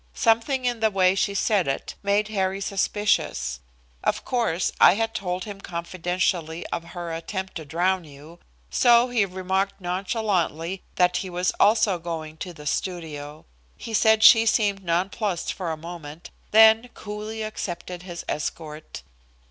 Something in the way she said it made Harry suspicious. Of course, I had told him confidentially of her attempt to drown you, so he remarked nonchalantly that he was also going to the studio. He said she seemed nonplussed for a moment, then coolly accepted his escort.